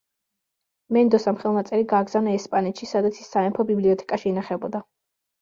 მენდოსამ ხელნაწერი გაგზავნა ესპანეთში, სადაც ის სამეფო ბიბლიოთეკაში ინახებოდა.